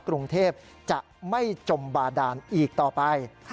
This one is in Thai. กรุงเทพจะไม่จมบาดานอีกต่อไป